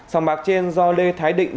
sòng bạc trên do lê thái định